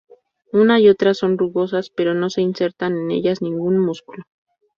Una y otra son rugosas pero no se inserta en ellas ningún músculo.